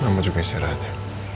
mama juga istirahat ya